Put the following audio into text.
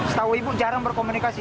setahu ibu jarang berkomunikasi